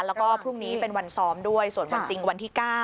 แล้วก็พรุ่งนี้เป็นวันซ้อมด้วยส่วนวันจริงวันที่๙